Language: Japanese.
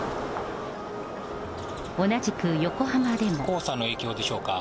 黄砂の影響でしょうか。